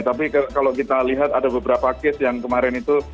tapi kalau kita lihat ada beberapa case yang kemarin itu